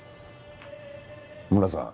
村さん